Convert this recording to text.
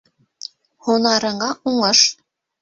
— Һунарыңа уңыш!